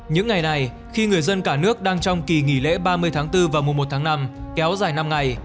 những ngày này khi người dân cả nước đang trong kỳ nghỉ lễ ba mươi tháng bốn và mùa một tháng năm kéo dài năm ngày